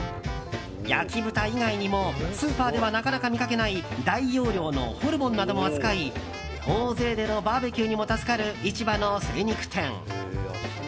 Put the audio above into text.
焼き豚以外にもスーパーではなかなか見かけない大容量のホルモンなども扱い大勢でのバーベキューにも助かる市場の精肉店。